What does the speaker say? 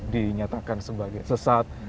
dinyatakan sebagai sesat